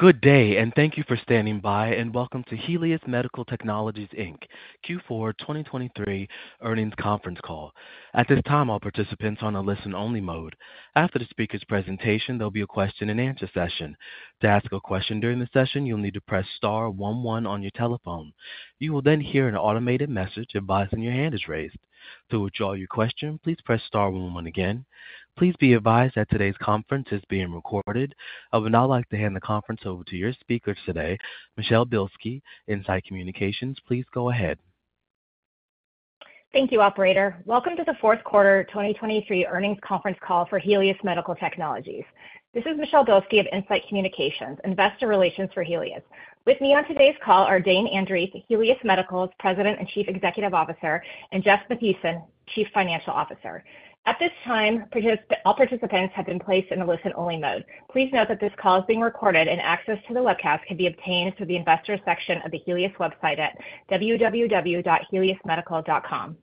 Good day, and thank you for standing by, and welcome to Helius Medical Technologies, Inc. Q4 2023 earnings conference call. At this time, all participants are on a listen-only mode. After the speaker's presentation, there'll be a question-and-answer session. To ask a question during the session, you'll need to press star 11 on your telephone. You will then hear an automated message advising your hand is raised. To withdraw your question, please press star 11 again. Please be advised that today's conference is being recorded. I would now like to hand the conference over to your speaker today, Michelle Bilski of In-Site Communications. Please go ahead. Thank you, operator. Welcome to the fourth quarter 2023 earnings conference call for Helius Medical Technologies. This is Michelle Bilski of In-Site Communications, Investor Relations for Helius. With me on today's call are Dane Andreeff, Helius Medical's President and Chief Executive Officer, and Jeff Mathiesen, Chief Financial Officer. At this time, all participants have been placed in a listen-only mode. Please note that this call is being recorded, and access to the webcast can be obtained through the investors section of the Helius website at www.heliusmedical.com.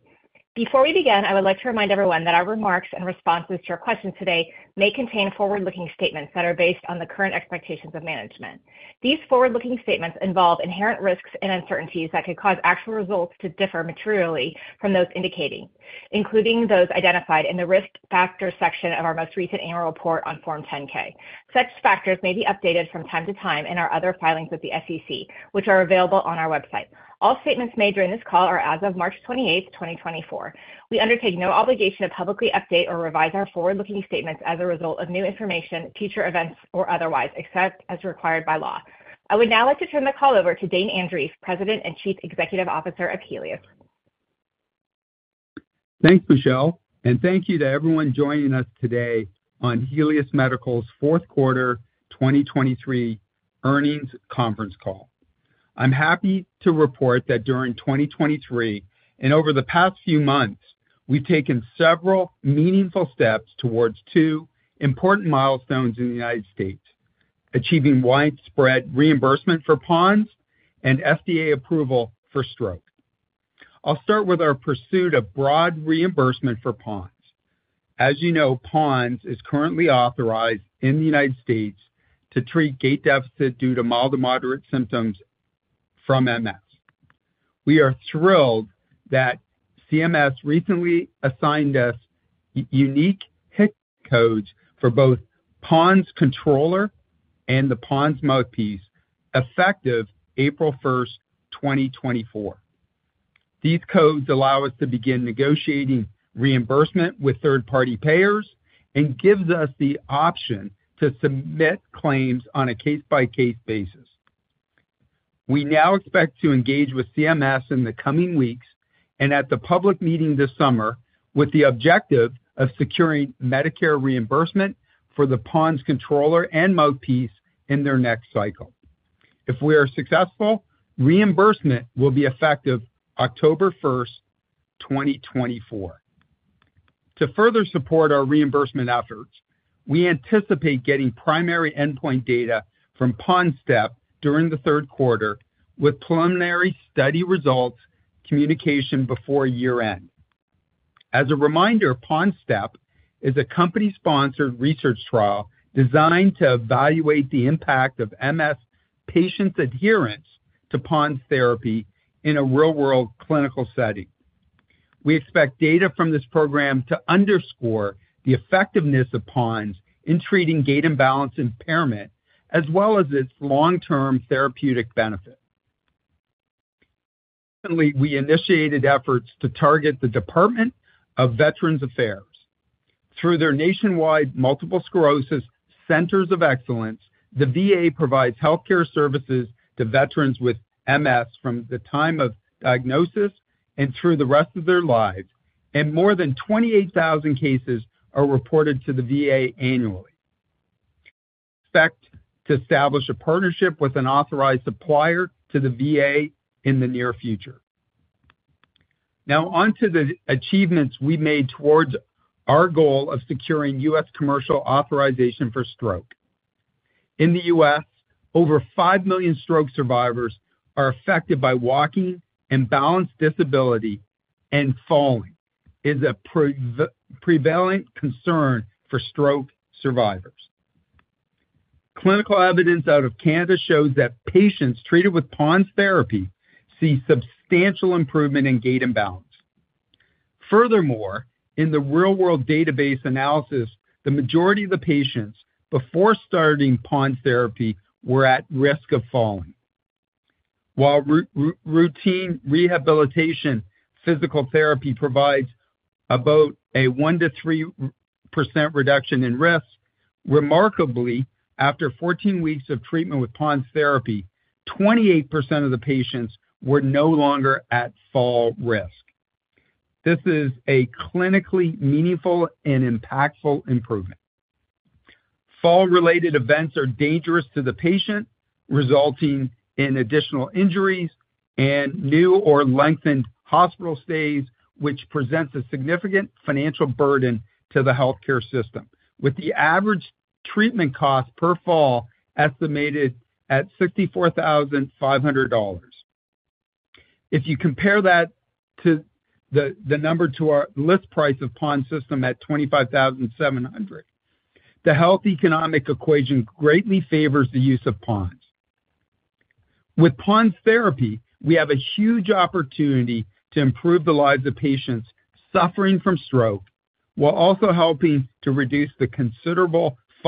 Before we begin, I would like to remind everyone that our remarks and responses to your questions today may contain forward-looking statements that are based on the current expectations of management. These forward-looking statements involve inherent risks and uncertainties that could cause actual results to differ materially from those indicating, including those identified in the risk factors section of our most recent annual report on Form 10-K. Such factors may be updated from time to time in our other filings with the SEC, which are available on our website. All statements made during this call are as of March 28, 2024. We undertake no obligation to publicly update or revise our forward-looking statements as a result of new information, future events, or otherwise, except as required by law. I would now like to turn the call over to Dane Andreeff, President and Chief Executive Officer of Helius. Thanks, Michelle, and thank you to everyone joining us today on Helius Medical's fourth quarter 2023 earnings conference call. I'm happy to report that during 2023 and over the past few months, we've taken several meaningful steps towards two important milestones in the United States: achieving widespread reimbursement for PoNS and FDA approval for stroke. I'll start with our pursuit of broad reimbursement for PoNS. As you know, PoNS is currently authorized in the United States to treat gait deficit due to mild to moderate symptoms from MS. We are thrilled that CMS recently assigned us unique HCPCS codes for both PoNS controller and the PoNS mouthpiece, effective April 1st, 2024. These codes allow us to begin negotiating reimbursement with third-party payers and give us the option to submit claims on a case-by-case basis. We now expect to engage with CMS in the coming weeks and at the public meeting this summer with the objective of securing Medicare reimbursement for the PoNS controller and mouthpiece in their next cycle. If we are successful, reimbursement will be effective October 1, 2024. To further support our reimbursement efforts, we anticipate getting primary endpoint data from PoNSTEP during the third quarter, with preliminary study results communication before year-end. As a reminder, PoNSTEP is a company-sponsored research trial designed to evaluate the impact of MS patients' adherence to PoNS therapy in a real-world clinical setting. We expect data from this program to underscore the effectiveness of PoNS in treating gait imbalance impairment as well as its long-term therapeutic benefit. Recently, we initiated efforts to target the Department of Veterans Affairs. Through their nationwide Multiple Sclerosis Centers of Excellence, the VA provides healthcare services to veterans with MS from the time of diagnosis and through the rest of their lives, and more than 28,000 cases are reported to the VA annually. We expect to establish a partnership with an authorized supplier to the VA in the near future. Now, onto the achievements we made towards our goal of securing U.S. commercial authorization for stroke. In the U.S., over 5 million stroke survivors are affected by walking and balance disability, and falling is a prevalent concern for stroke survivors. Clinical evidence out of Canada shows that patients treated with PoNS therapy see substantial improvement in gait imbalance. Furthermore, in the real-world database analysis, the majority of the patients before starting PoNS therapy were at risk of falling. While routine rehabilitation physical therapy provides about a 1%-3% reduction in risk, remarkably, after 14 weeks of treatment with PoNS therapy, 28% of the patients were no longer at fall risk. This is a clinically meaningful and impactful improvement. Fall-related events are dangerous to the patient, resulting in additional injuries and new or lengthened hospital stays, which presents a significant financial burden to the healthcare system, with the average treatment cost per fall estimated at $64,500. If you compare that number to our list price of PoNS system at $25,700, the health economic equation greatly favors the use of PoNS. With PoNS therapy, we have a huge opportunity to improve the lives of patients suffering from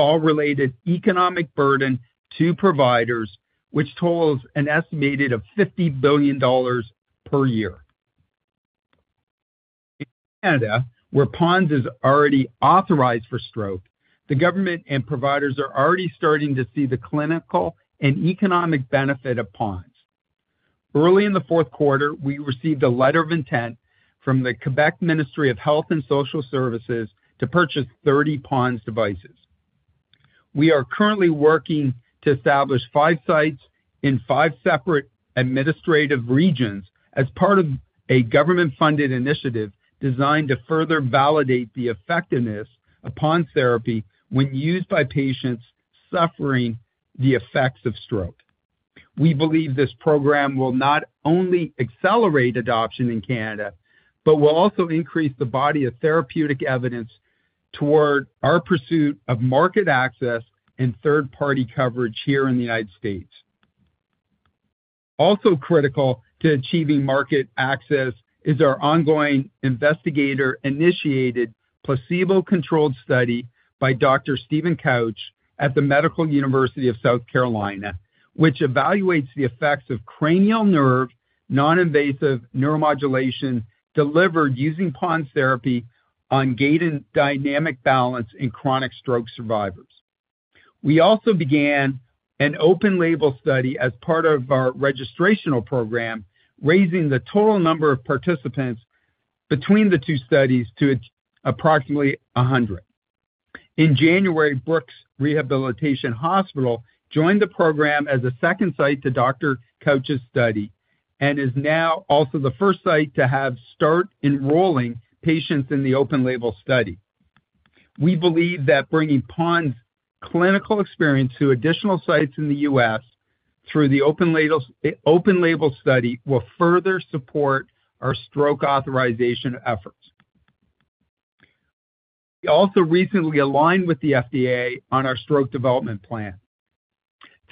stroke while also helping to reduce the considerable fall-related economic burden to providers, which totals an estimated $50 billion per year. In Canada, where PoNS is already authorized for stroke, the government and providers are already starting to see the clinical and economic benefit of PoNS. Early in the fourth quarter, we received a letter of intent from the Quebec Ministry of Health and Social Services to purchase 30 PoNS devices. We are currently working to establish five sites in five separate administrative regions as part of a government-funded initiative designed to further validate the effectiveness of PoNS therapy when used by patients suffering the effects of stroke. We believe this program will not only accelerate adoption in Canada but will also increase the body of therapeutic evidence toward our pursuit of market access and third-party coverage here in the United States. Also critical to achieving market access is our ongoing investigator-initiated placebo-controlled study by Dr. Steven Kautz at the Medical University of South Carolina, which evaluates the effects of cranial nerve noninvasive neuromodulation delivered using PoNS therapy on gait and dynamic balance in chronic stroke survivors. We also began an open-label study as part of our registrational program, raising the total number of participants between the two studies to approximately 100. In January, Brooks Rehabilitation Hospital joined the program as a second site to Dr. Kautz's study and is now also the first site to have start enrolling patients in the open-label study. We believe that bringing PoNS clinical experience to additional sites in the U.S. through the open-label study will further support our stroke authorization efforts. We also recently aligned with the FDA on our stroke development plan.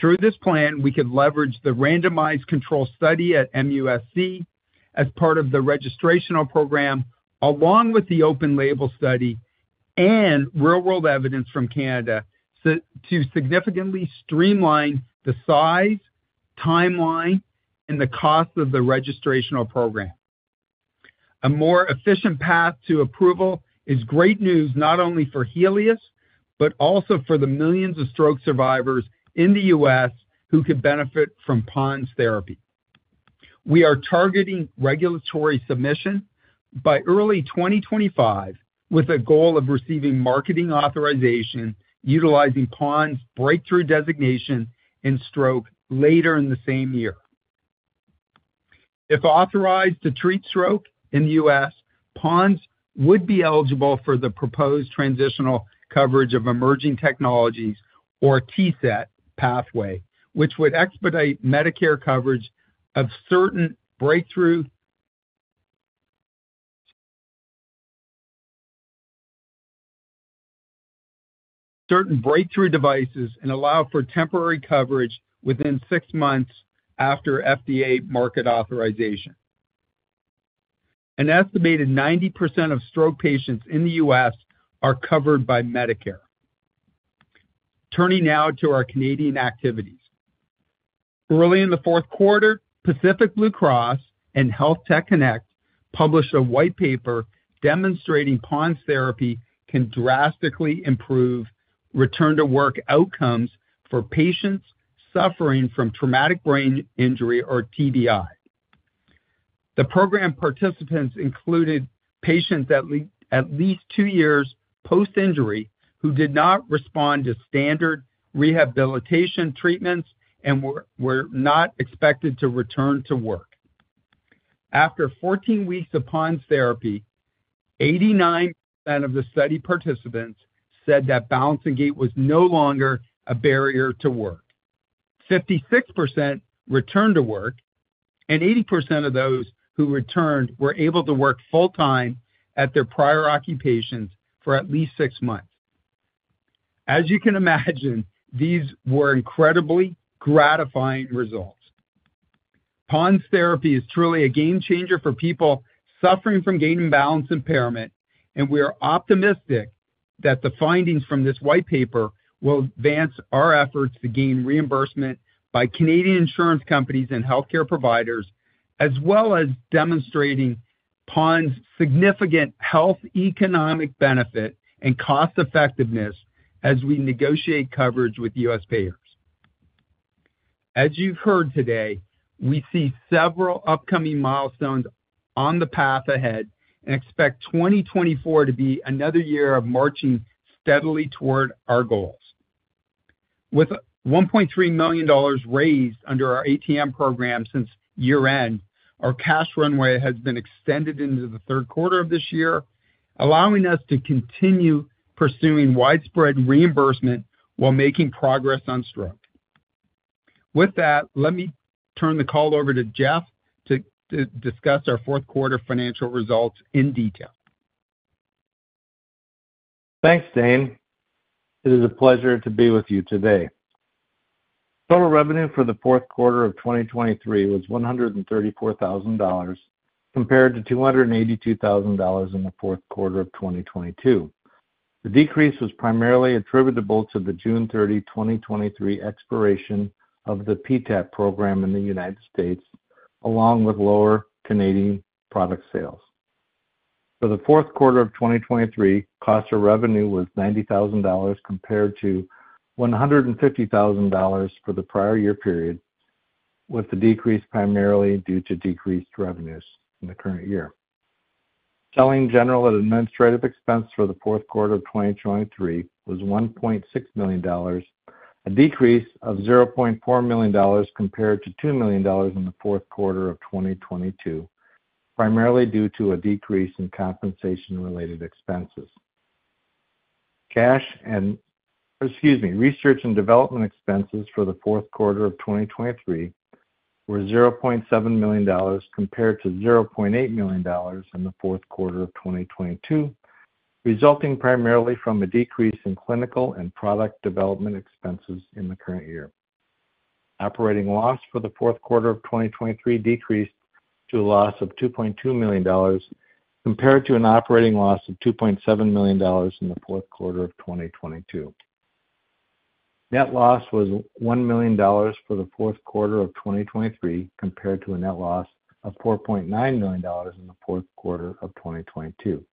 Through this plan, we could leverage the randomized control study at MUSC as part of the registrational program along with the open-label study and real-world evidence from Canada to significantly streamline the size, timeline, and the cost of the registrational program. A more efficient path to approval is great news not only for Helius but also for the millions of stroke survivors in the U.S. who could benefit from PoNS therapy. We are targeting regulatory submission by early 2025 with a goal of receiving marketing authorization utilizing PoNS breakthrough designation in stroke later in the same year. If authorized to treat stroke in the U.S., PoNS would be eligible for the proposed transitional coverage of emerging technologies or TCET pathway, which would expedite Medicare coverage of certain breakthrough devices and allow for temporary coverage within six months after FDA market authorization. An estimated 90% of stroke patients in the U.S. are covered by Medicare. Turning now to our Canadian activities. Early in the fourth quarter, Pacific Blue Cross and HealthTech Connex published a white paper demonstrating PoNS therapy can drastically improve return-to-work outcomes for patients suffering from traumatic brain injury or TBI. The program participants included patients at least two years post-injury who did not respond to standard rehabilitation treatments and were not expected to return to work. After 14 weeks of PoNS therapy, 89% of the study participants said that balance and gait was no longer a barrier to work, 56% returned to work, and 80% of those who returned were able to work full-time at their prior occupations for at least six months. As you can imagine, these were incredibly gratifying results. PoNS therapy is truly a game changer for people suffering from gait and balance impairment, and we are optimistic that the findings from this white paper will advance our efforts to gain reimbursement by Canadian insurance companies and healthcare providers, as well as demonstrating PoNS significant health economic benefit and cost-effectiveness as we negotiate coverage with U.S. payers. As you've heard today, we see several upcoming milestones on the path ahead and expect 2024 to be another year of marching steadily toward our goals. With $1.3 million raised under our ATM program since year-end, our cash runway has been extended into the third quarter of this year, allowing us to continue pursuing widespread reimbursement while making progress on stroke. With that, let me turn the call over to Jeff to discuss our fourth quarter financial results in detail. Thanks, Dane. It is a pleasure to be with you today. Total revenue for the fourth quarter of 2023 was $134,000 compared to $282,000 in the fourth quarter of 2022. The decrease was primarily attributable to the June 30, 2023, expiration of the PTAP program in the United States, along with lower Canadian product sales. For the fourth quarter of 2023, cost of revenue was $90,000 compared to $150,000 for the prior year period, with the decrease primarily due to decreased revenues in the current year. Selling general and administrative expense for the fourth quarter of 2023 was $1.6 million, a decrease of $0.4 million compared to $2 million in the fourth quarter of 2022, primarily due to a decrease in compensation-related expenses. Research and development expenses for the fourth quarter of 2023 were $0.7 million compared to $0.8 million in the fourth quarter of 2022, resulting primarily from a decrease in clinical and product development expenses in the current year. Operating loss for the fourth quarter of 2023 decreased to a loss of $2.2 million compared to an operating loss of $2.7 million in the fourth quarter of 2022. Net loss was $1 million for the fourth quarter of 2023 compared to a net loss of $4.9 million in the fourth quarter of 2022.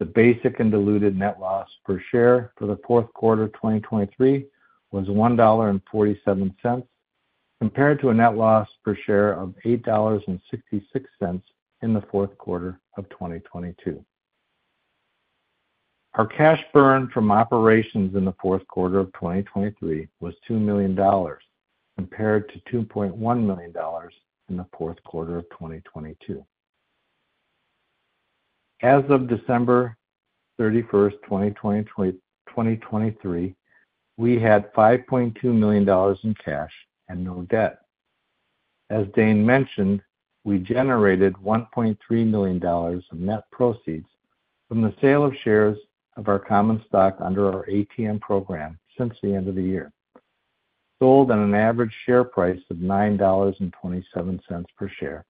The basic and diluted net loss per share for the fourth quarter of 2023 was $1.47 compared to a net loss per share of $8.66 in the fourth quarter of 2022. Our cash burn from operations in the fourth quarter of 2023 was $2 million compared to $2.1 million in the fourth quarter of 2022. As of December 31st, 2023, we had $5.2 million in cash and no debt. As Dane mentioned, we generated $1.3 million of net proceeds from the sale of shares of our common stock under our ATM program since the end of the year, sold at an average share price of $9.27 per share,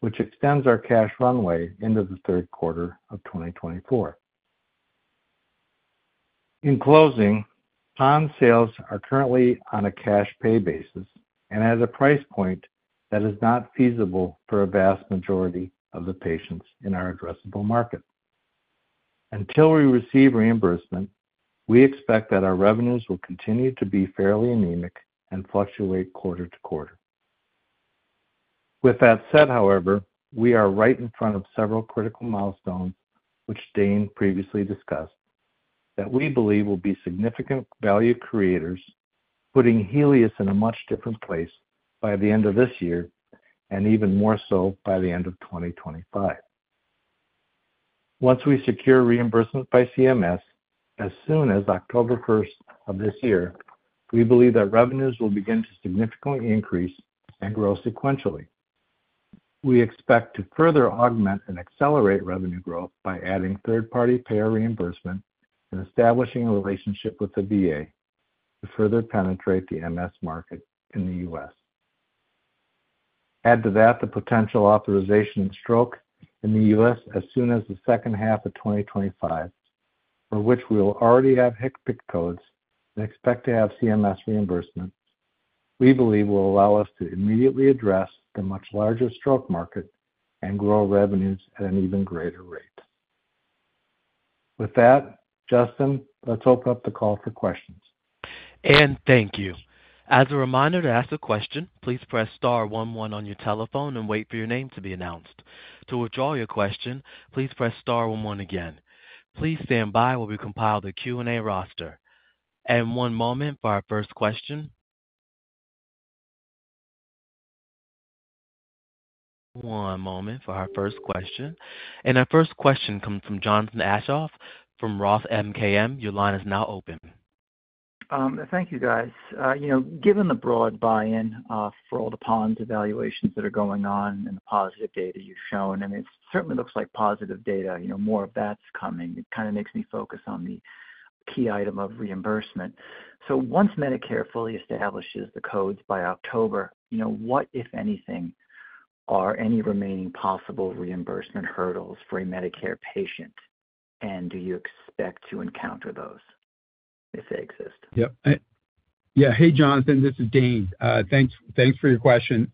which extends our cash runway into the third quarter of 2024. In closing, PoNS sales are currently on a cash pay basis and at a price point that is not feasible for a vast majority of the patients in our addressable market. Until we receive reimbursement, we expect that our revenues will continue to be fairly anemic and fluctuate quarter-to-quarter. With that said, however, we are right in front of several critical milestones, which Dane previously discussed, that we believe will be significant value creators putting Helius in a much different place by the end of this year and even more so by the end of 2025. Once we secure reimbursement by CMS as soon as October 1st of this year, we believe that revenues will begin to significantly increase and grow sequentially. We expect to further augment and accelerate revenue growth by adding third-party payer reimbursement and establishing a relationship with the VA to further penetrate the MS market in the U.S. Add to that the potential authorization of stroke in the U.S. As soon as the second half of 2025, for which we will already have HCPCS codes and expect to have CMS reimbursement, we believe will allow us to immediately address the much larger stroke market and grow revenues at an even greater rate. With that, Justin, let's open up the call for questions. And thank you. As a reminder to ask a question, please press star 11 on your telephone and wait for your name to be announced. To withdraw your question, please press star 11 again. Please stand by while we compile the Q&A roster. And one moment for our first question. One moment for our first question. And our first question comes from Jonathan Aschoff from Roth MKM. Your line is now open. Thank you, guys. Given the broad buy-in for all the PoNS evaluations that are going on and the positive data you've shown, and it certainly looks like positive data, more of that's coming, it kind of makes me focus on the key item of reimbursement. So once Medicare fully establishes the codes by October, what, if anything, are any remaining possible reimbursement hurdles for a Medicare patient, and do you expect to encounter those if they exist? Yep. Yeah. Hey, Jonathan. This is Dane. Thanks for your question.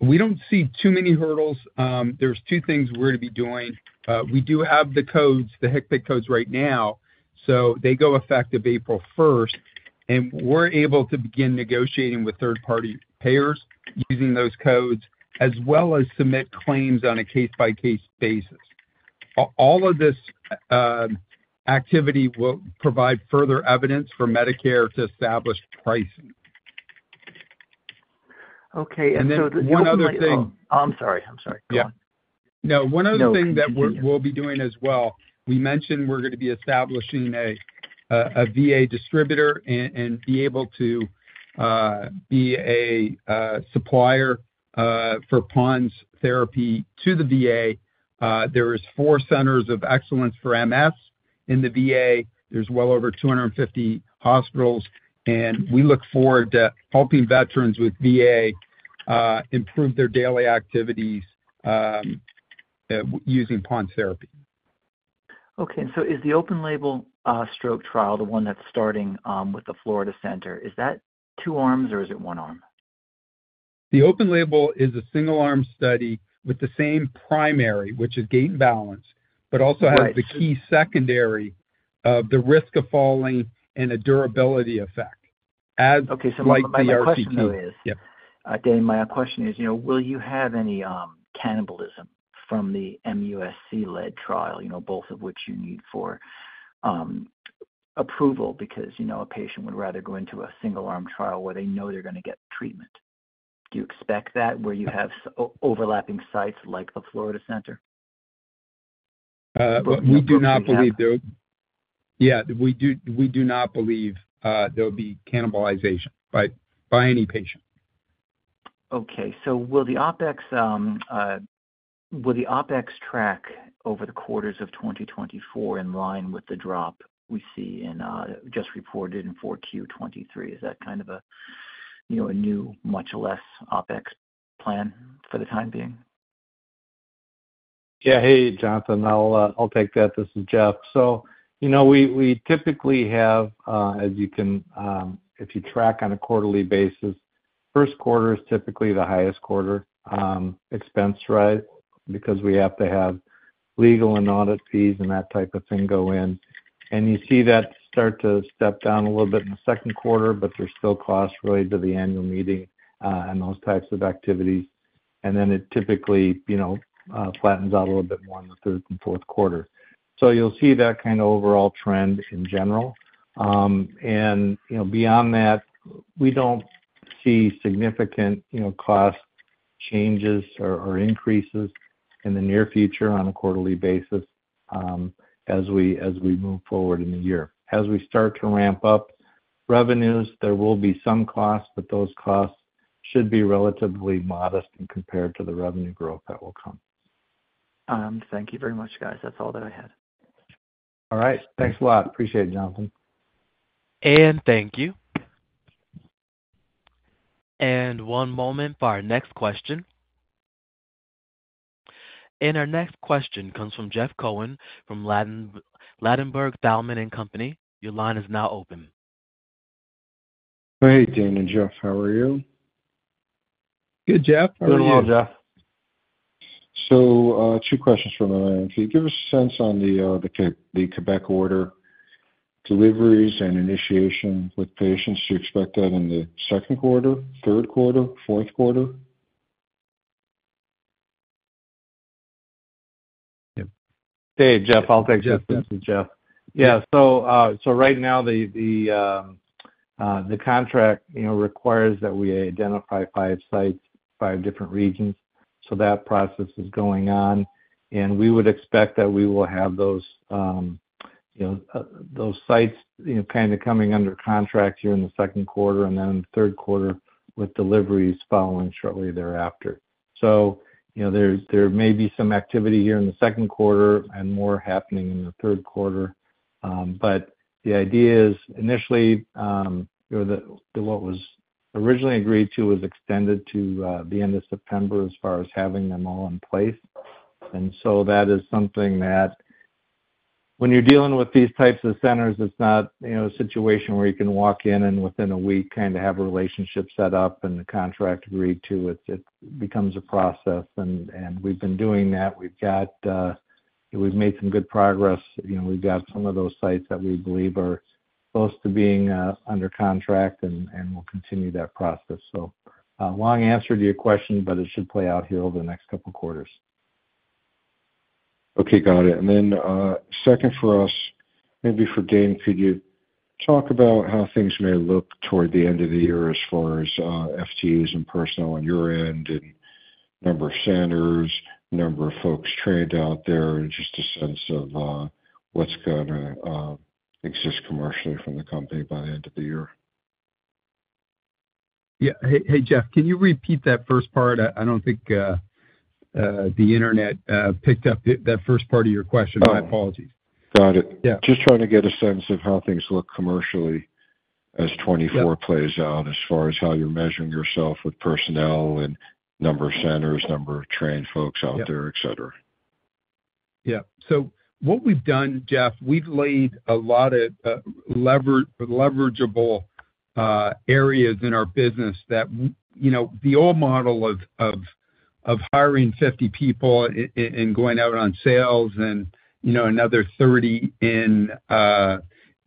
We don't see too many hurdles. There's two things we're going to be doing. We do have the codes, the HCPCS codes right now, so they go effective April 1st, and we're able to begin negotiating with third-party payers using those codes as well as submit claims on a case-by-case basis. All of this activity will provide further evidence for Medicare to establish pricing. Okay. And so the One other thing. I'm sorry. I'm sorry. Go on. Yeah. No, one other thing that we'll be doing as well, we mentioned we're going to be establishing a VA distributor and be able to be a supplier for PoNS therapy to the VA. There are four centers of excellence for MS in the VA. There's well over 250 hospitals, and we look forward to helping veterans with VA improve their daily activities using PoNS therapy. Okay. And so is the open-label stroke trial, the one that's starting with the Florida Center, two arms or is it one arm? The open-label is a single-arm study with the same primary, which is gait and balance, but also has the key secondary of the risk of falling and a durability effect. Okay. So my question, though, is Dane, my question is, will you have any cannibalism from the MUSC-led trial, both of which you need for approval because a patient would rather go into a single-arm trial where they know they're going to get treatment? Do you expect that where you have overlapping sites like the Florida Center? We do not believe there'll be cannibalization by any patient. Okay. So will the OpEx track over the quarters of 2024 in line with the drop we see just reported in 4Q23? Is that kind of a new, much less OpEx plan for the time being? Yeah. Hey, Jonathan. I'll take that. This is Jeff. We typically have, as you can if you track on a quarterly basis, first quarter is typically the highest quarter expense, right, because we have to have legal and audit fees and that type of thing go in. You see that start to step down a little bit in the second quarter, but there's still costs related to the annual meeting and those types of activities, and then it typically flattens out a little bit more in the third and fourth quarter. You'll see that kind of overall trend in general. Beyond that, we don't see significant cost changes or increases in the near future on a quarterly basis as we move forward in the year. As we start to ramp up revenues, there will be some costs, but those costs should be relatively modest when compared to the revenue growth that will come. Thank you very much, guys. That's all that I had. All right. Thanks a lot. Appreciate it, Jonathan. Thank you. One moment for our next question. Our next question comes from Jeff Cohen from Ladenburg Thalmann & Company. Your line is now open. Hey, Dane and Jeff. How are you? Good, Jeff. How are you? Good and well, Jeff. So two questions from MMT. Give us a sense on the Quebec order deliveries and initiation with patients. Do you expect that in the second quarter, third quarter, fourth quarter? Yep. Hey, Jeff. I'll take this one. This is Jeff. Yeah. So right now, the contract requires that we identify five sites, five different regions. So that process is going on, and we would expect that we will have those sites kind of coming under contract here in the second quarter and then third quarter with deliveries following shortly thereafter. So there may be some activity here in the second quarter and more happening in the third quarter, but the idea is initially, what was originally agreed to was extended to the end of September as far as having them all in place. And so that is something that when you're dealing with these types of centers, it's not a situation where you can walk in and within a week kind of have a relationship set up and the contract agreed to. It becomes a process, and we've been doing that. We've made some good progress. We've got some of those sites that we believe are close to being under contract, and we'll continue that process. So long answer to your question, but it should play out here over the next couple of quarters. Okay. Got it. And then second for us, maybe for Dane, could you talk about how things may look toward the end of the year as far as FTUs and personal on your end and number of centers, number of folks trained out there, just a sense of what's going to exist commercially from the company by the end of the year? Yeah. Hey, Jeff, can you repeat that first part? I don't think the internet picked up that first part of your question. My apologies. Got it. Just trying to get a sense of how things look commercially as 2024 plays out as far as how you're measuring yourself with personnel and number of centers, number of trained folks out there, etc. Yeah. So what we've done, Jeff, we've laid a lot of leverageable areas in our business that the old model of hiring 50 people and going out on sales and another 30 in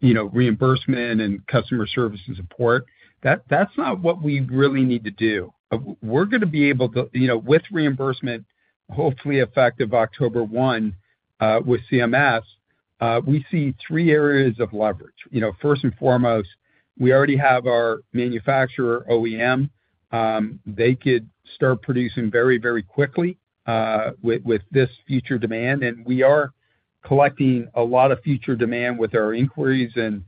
reimbursement and customer service and support, that's not what we really need to do. We're going to be able to with reimbursement, hopefully effective October 1 with CMS, we see three areas of leverage. First and foremost, we already have our manufacturer, OEM. They could start producing very, very quickly with this future demand, and we are collecting a lot of future demand with our inquiries and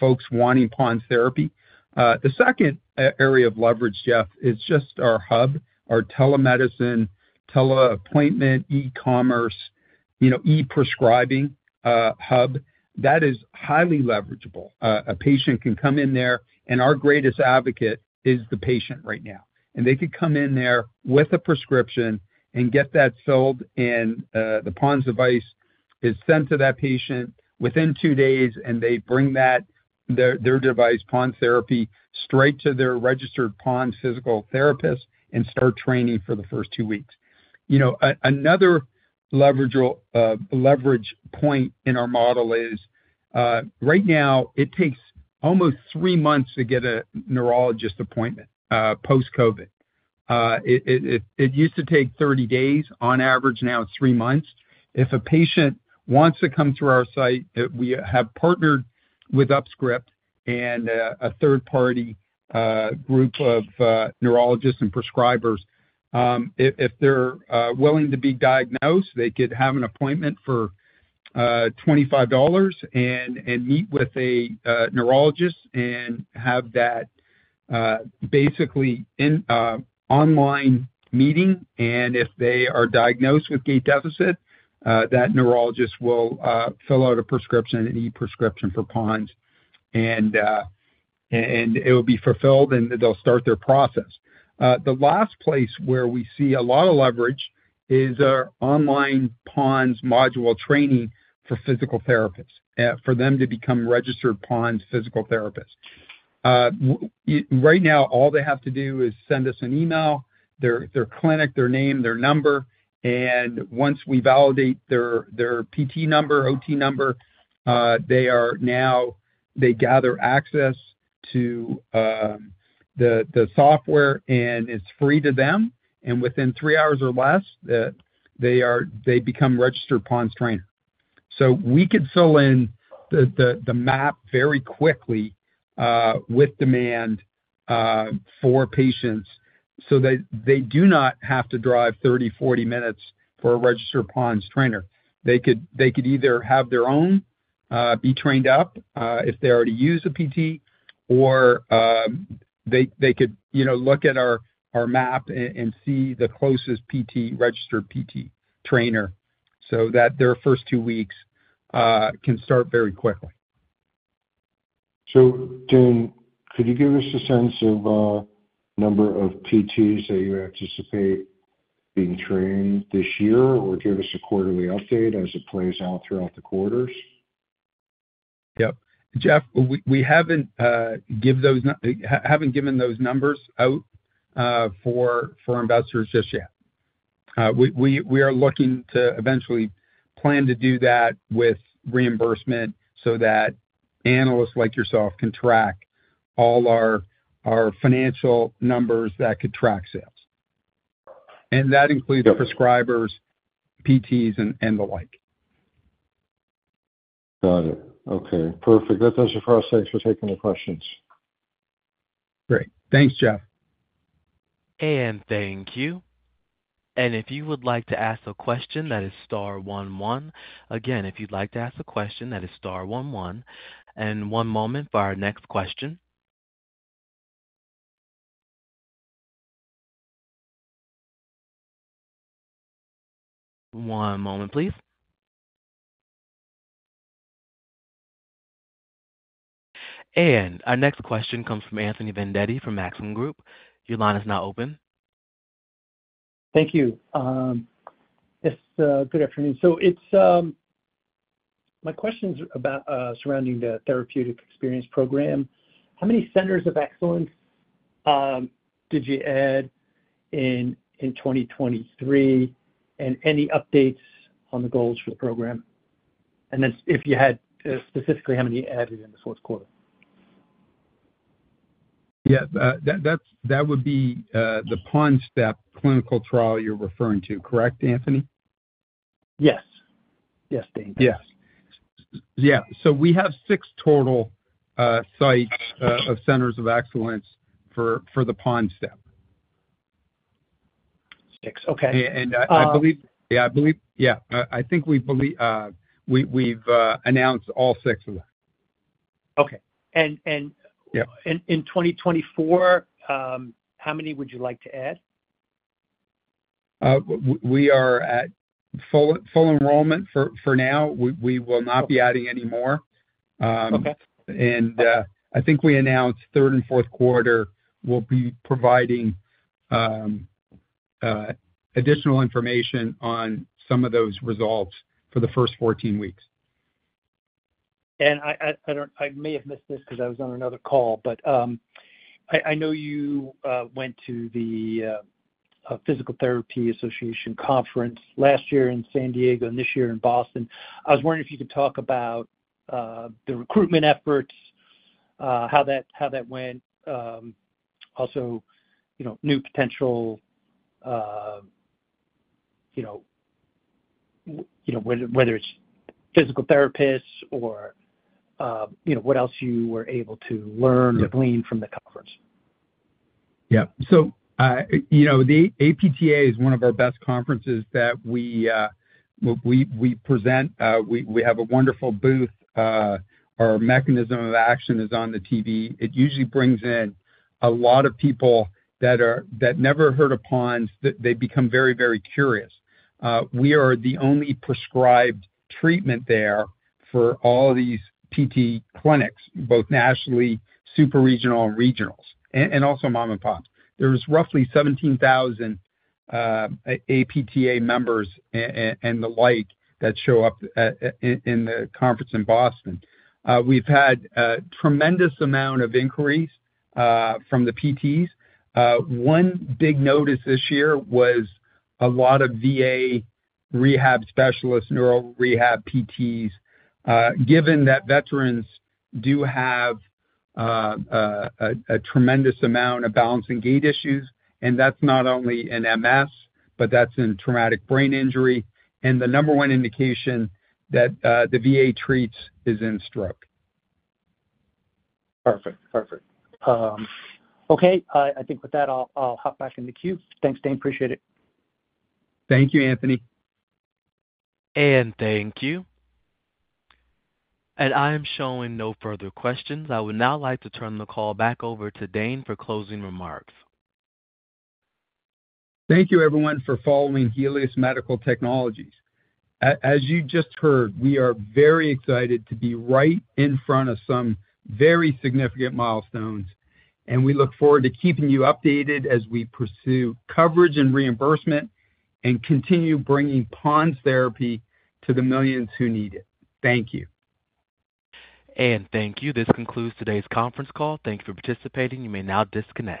folks wanting PoNS therapy. The second area of leverage, Jeff, is just our hub, our telemedicine, tele-appointment, e-commerce, e-prescribing hub. That is highly leverageable. A patient can come in there, and our greatest advocate is the patient right now. They could come in there with a prescription and get that filled, and the PoNS device is sent to that patient within 2 days, and they bring their device, PoNS therapy, straight to their registered PoNS physical therapist and start training for the first 2 weeks. Another leverage point in our model is right now, it takes almost 3 months to get a neurologist appointment post-COVID. It used to take 30 days on average. Now it's 3 months. If a patient wants to come through our site, we have partnered with UpScript and a third-party group of neurologists and prescribers. If they're willing to be diagnosed, they could have an appointment for $25 and meet with a neurologist and have that basically online meeting. If they are diagnosed with gait deficit, that neurologist will fill out a prescription, an e-prescription for PoNS, and it will be fulfilled, and they'll start their process. The last place where we see a lot of leverage is our online PoNS module training for physical therapists, for them to become registered PoNS physical therapists. Right now, all they have to do is send us an email, their clinic, their name, their number. And once we validate their PT number, OT number, they gather access to the software, and it's free to them. And within three hours or less, they become registered PoNS trainer. So we could fill in the map very quickly with demand for patients so that they do not have to drive 30, 40 minutes for a registered PoNS trainer. They could either have their own be trained up if they already use a PT, or they could look at our map and see the closest registered PT trainer so that their first two weeks can start very quickly. So, Dane, could you give us a sense of number of PTs that you anticipate being trained this year, or give us a quarterly update as it plays out throughout the quarters? Yep. Jeff, we haven't given those numbers out for investors just yet. We are looking to eventually plan to do that with reimbursement so that analysts like yourself can track all our financial numbers that could track sales. And that includes prescribers, PTs, and the like. Got it. Okay. Perfect. That does it for us. Thanks for taking the questions. Great. Thanks, Jeff. Thank you. If you would like to ask a question, that is star 11. Again, if you'd like to ask a question, that is star 11. One moment for our next question. One moment, please. Our next question comes from Anthony Vendetti from Maxim Group. Your line is now open. Thank you. Yes. Good afternoon. So my question is surrounding the therapeutic experience program. How many centers of excellence did you add in 2023, and any updates on the goals for the program? And then if you had specifically how many added in the fourth quarter? Yeah. That would be the PoNSTEP clinical trial you're referring to, correct, Anthony? Yes. Yes, Dane. Yes. Yeah. So we have 6 total sites of centers of excellence for the PoNSTEP. Six. Okay. I believe, yeah. I believe, yeah. I think we've announced all six of them. Okay. In 2024, how many would you like to add? We are at full enrollment for now. We will not be adding any more. I think we announced third and fourth quarter we'll be providing additional information on some of those results for the first 14 weeks. I may have missed this because I was on another call, but I know you went to the Physical Therapy Association conference last year in San Diego and this year in Boston. I was wondering if you could talk about the recruitment efforts, how that went, also new potential, whether it's physical therapists or what else you were able to learn or glean from the conference. Yeah. So the APTA is one of our best conferences that we present. We have a wonderful booth. Our mechanism of action is on the TV. It usually brings in a lot of people that never heard of PoNS. They become very, very curious. We are the only prescribed treatment there for all these PT clinics, both nationally, superregional, and regionals, and also mom-and-pops. There's roughly 17,000 APTA members and the like that show up in the conference in Boston. We've had a tremendous amount of inquiries from the PTs. One big notice this year was a lot of VA rehab specialists, neuro rehab PTs, given that veterans do have a tremendous amount of balance and gait issues. And that's not only in MS, but that's in traumatic brain injury. And the number one indication that the VA treats is in stroke. Perfect. Perfect. Okay. I think with that, I'll hop back in the queue. Thanks, Dane. Appreciate it. Thank you, Anthony. Thank you. I am showing no further questions. I would now like to turn the call back over to Dane for closing remarks. Thank you, everyone, for following Helius Medical Technologies. As you just heard, we are very excited to be right in front of some very significant milestones, and we look forward to keeping you updated as we pursue coverage and reimbursement and continue bringing PoNS therapy to the millions who need it. Thank you. Thank you. This concludes today's conference call. Thank you for participating. You may now disconnect.